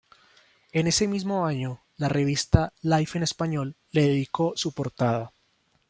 En ese mismo año la revista "Life en Español" le dedicó su portada.